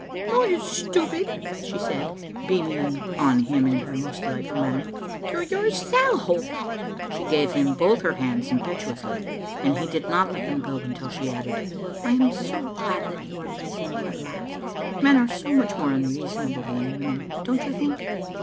"No, you stupid," she said, beaming on him in her most delightful manner, "to yourself!" She gave him both her hands impetuously, and he did not let them go until she added: " I am so glad that you are reasonable at last. Men are so much more unreasonable than women, don't you think?"